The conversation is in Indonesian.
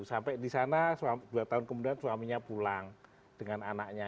sampai di sana dua tahun kemudian suaminya pulang dengan anaknya